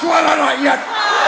atau bisa sedikit